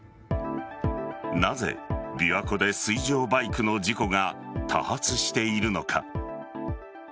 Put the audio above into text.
なぜ、琵琶湖で水上バイクの事故が多発しているのか。